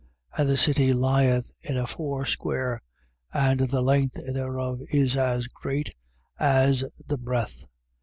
21:16. And the city lieth in a four square: and the length thereof is as great as the breadth.